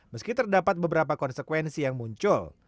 meski terdapat beberapa konsekuensi yang muncul